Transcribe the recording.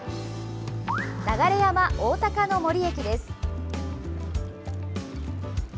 流山おおたかの森駅です。